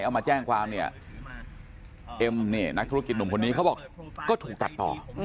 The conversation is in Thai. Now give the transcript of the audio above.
เอามาแจ้งความเนี่ยเอ็มนี่นักธุรกิจหนุ่มคนนี้เขาบอกก็ถูกตัดต่อ